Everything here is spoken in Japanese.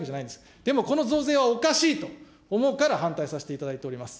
でもこの増税はおかしいと思うから反対させていただいております。